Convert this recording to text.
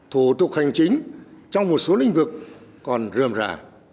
thủ tục hành chính trong một số lĩnh vực còn rươm rà